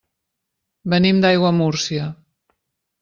Venim d'Aiguamúrcia.